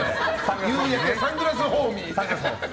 夕焼けサングラスホーミー。